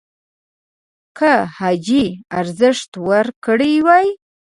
که حاجي ارزښت ورکړی وای